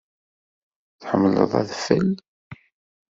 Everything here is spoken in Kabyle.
Tḥemmleḍ adfel?